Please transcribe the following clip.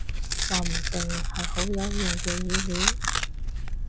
話唔定，係好有用嘅語料